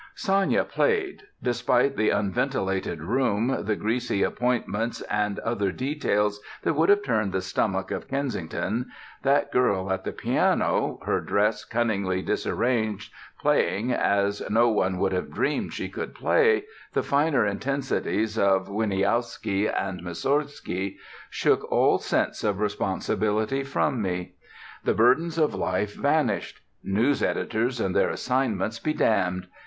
Sanya played.... Despite the unventilated room, the greasy appointments, and other details that would have turned the stomach of Kensington, that girl at the piano, her dress cunningly disarranged, playing, as no one would have dreamed she could play, the finer intensities of Wieniawski and Moussorgsky, shook all sense of responsibility from me. The burdens of life vanished. News editors and their assignments be damned.